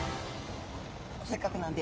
せっかくなんで。